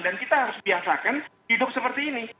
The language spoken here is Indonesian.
dan kita harus biasakan hidup seperti ini